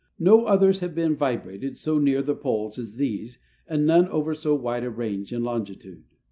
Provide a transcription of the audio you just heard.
No others have been vibrated so near the pole as these and none over so wide a range in longitude.